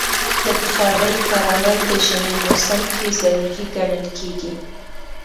د بخارۍ کارول د ژمي موسم کې ضروری ګڼل کېږي.